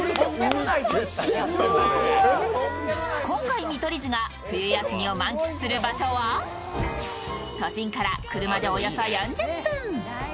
今回、見取り図が冬休みを満喫する場所は、都心から車でおよそ４０分。